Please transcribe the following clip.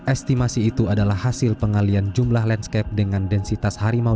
estimasi itu adalah hasil pengalian jumlah landscape dengan densitas harimau